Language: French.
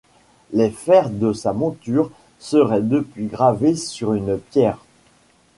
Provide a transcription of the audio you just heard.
Les fers de sa monture seraient depuis gravés sur une pierre.